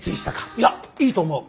いやいいと思う。